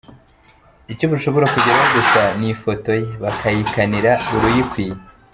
Icyo bashobora kugeraho gusa ni ifotoye, bakayikanira uruyikwiye !